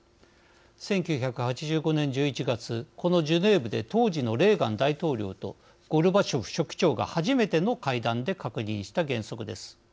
１９８５年１１月このジュネーブで当時のレーガン大統領とゴルバチョフ書記長が初めての会談で確認した原則です。